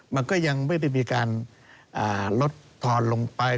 มันก็ยังไม่ได้มีการลดทอนลงไป